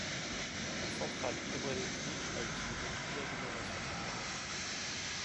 La centrale hydroélectrique a utilisé plusieurs innovations technologiques.